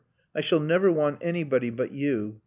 I shall never want anybody but you.